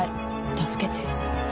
助けて。